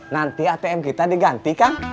nanti atm kita diganti kang